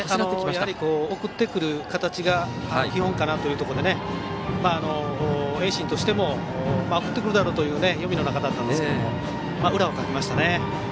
送ってくる形が基本かなというところで盈進としても送ってくるだろうという読みでしたが裏をかきましたね。